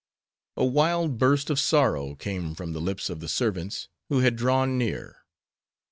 A wild burst of sorrow came from the lips of the servants, who had drawn near.